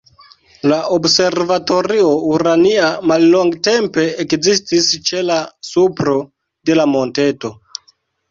La Observatorio Urania mallongtempe ekzistis ĉe la supro de la monteto.